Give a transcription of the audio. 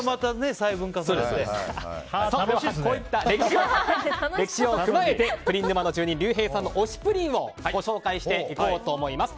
こういった歴史を踏まえてプリン沼の住人りゅうへいさんの推しプリンをご紹介していこうと思います。